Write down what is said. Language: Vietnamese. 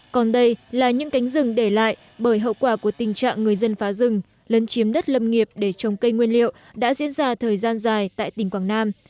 còn đây là những cánh rừng để lại bởi hậu quả của tình trạng người dân phá rừng lấn chiếm đất lâm nghiệp để trồng cây nguyên liệu đã diễn ra thời gian dài tại tỉnh quảng nam